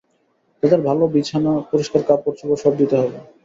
তাদের ভাল বিছানা, পরিষ্কার কাপড়-চোপড় সব দিতে হবে।